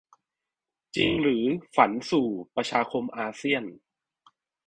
จริงหรือฝันสู่ 'ประชาคมอาเซียน' ?